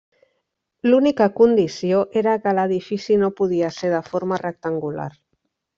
L'única condició era que l'edifici no podia ser de forma rectangular.